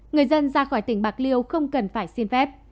người dân ra khỏi tỉnh bạc liêu không cần phải xin phép